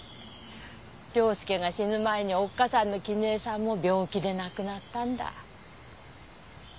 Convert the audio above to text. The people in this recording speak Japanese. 良介が死ぬ前におっかさんの絹江さんも病気で亡くなったんだ。